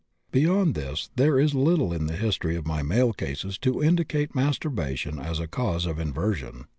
But beyond this there is little in the history of my male cases to indicate masturbation as a cause of inversion.